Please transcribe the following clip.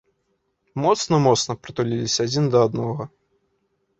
Моцна-моцна прытуліліся адзін да аднаго.